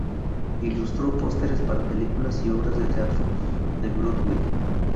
Ilustró pósteres para películas y obras de teatro de Broadway.